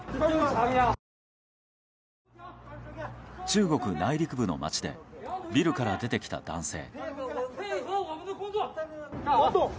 中国内陸部の街でビルから出てきた男性。